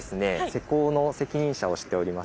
施工の責任者をしております